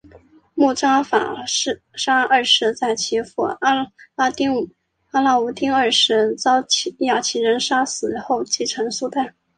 慕扎法沙二世在其父阿拉乌丁二世遭亚齐人杀死后继任苏丹。